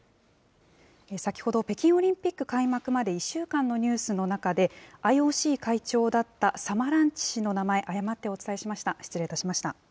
先ほど、北京オリンピック開幕まで１週間のニュースの中で、ＩＯＣ会長だったサマランチ氏の名前、誤ってお伝えしました。